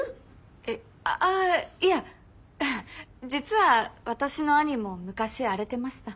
えああいや実は私の兄も昔荒れてました。